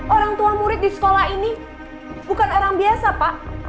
orang tua murid di sekolah ini bukan orang biasa pak